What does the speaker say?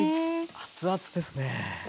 熱々です。